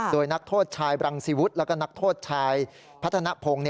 โดยนักโทษชายบรังสิวุฒิแล้วก็นักโทษชายพัฒนภง